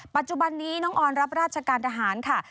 ปัจจุบันนี้น้องออนรับราชการทหารค่ะ